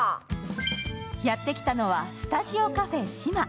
やってきたのはスタジオカフェ・シマ。